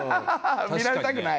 見られたくない？